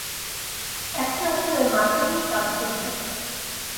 এখন আসলে মাথা ঠিক কাজ করছে না!